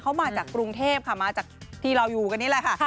เขามาจากกรุงเทพค่ะมาจากที่เราอยู่กันนี่แหละค่ะ